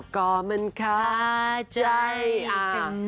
ก็มันคาใจอ้าง